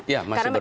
ya masih berproses